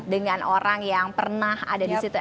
dengan orang yang pernah ada di situ